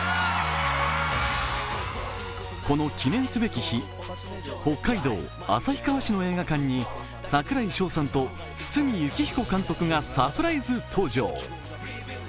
この記念すべき日、北海道旭川市の映画館に櫻井翔さんと、堤幸彦監督がサプライズ登場。